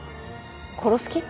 殺す気？